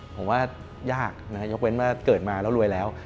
ผมว่ายากนะฮะยกเว้นว่าเกิดมาแล้วรวยแล้ว